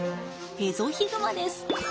エゾヒグマです。